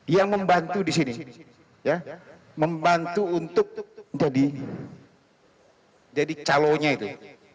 yang membantu di sini membantu untuk jadi calonnya itu